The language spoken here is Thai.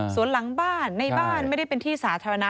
ส่วนหลังบ้านในบ้านไม่ได้เป็นที่สาธารณะ